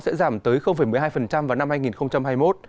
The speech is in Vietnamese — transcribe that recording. sẽ giảm tới một mươi hai vào năm hai nghìn hai mươi một